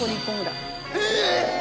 えっ！